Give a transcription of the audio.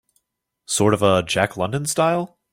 Sort of a Jack London style?